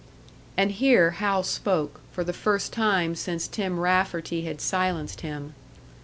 And here Hal spoke, for the first time since Tim Rafferty had silenced him.